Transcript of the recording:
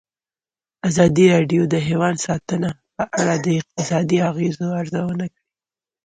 ازادي راډیو د حیوان ساتنه په اړه د اقتصادي اغېزو ارزونه کړې.